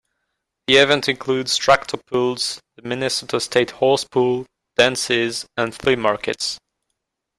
The event includes tractor pulls, the Minnesota State Horsepull, dances and flea markets.